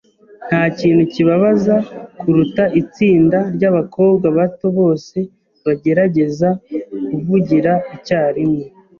Ntakintu kibabaza kuruta itsinda ryabakobwa bato bose bagerageza kuvugira icyarimwe.